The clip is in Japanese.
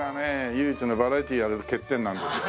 唯一のバラエティーやる欠点なんです。